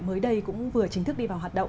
mới đây cũng vừa chính thức đi vào hoạt động đấy ạ